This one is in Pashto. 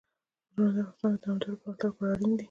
غرونه د افغانستان د دوامداره پرمختګ لپاره اړین دي.